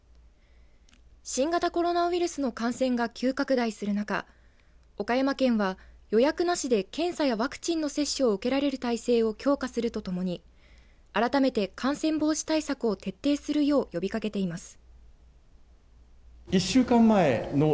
新型コロナウイルスの感染が急拡大するなか岡山県は予約なしで検査やワクチンの接種を受けられる体制を強化するとともに、改めて感染防止対策を徹底するよう呼びかけています。